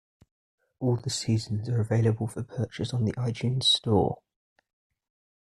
All the seasons are available for purchase on the iTunes Store.